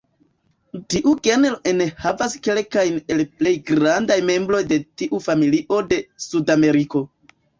Tiu genro enhavas kelkajn el plej grandaj membroj de tiu familio de Sudameriko.